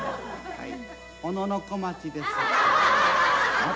はい。